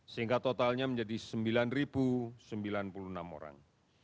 sehingga totalnya menjadi sembilan sembilan puluh enam orang